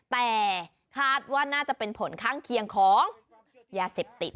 แต่คาดว่าน่าจะเป็นผลข้างเคียงของยาเสพติด